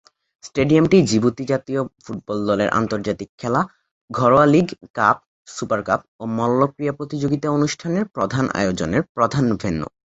স্টেডিয়ামটি জিবুতি জাতীয় ফুটবল দলের আন্তর্জাতিক খেলা, ঘরোয়া লিগ, কাপ, সুপার কাপ ও মল্লক্রীড়া প্রতিযোগিতা অনুষ্ঠানের প্রধান আয়োজনের প্রধান ভেন্ন্যু।